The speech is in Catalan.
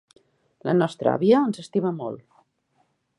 La nostra àvia ens estima molt.